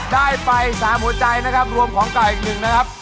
ได้ไป๓หัวใจนะครับรวมของเก่าอีกหนึ่งนะครับ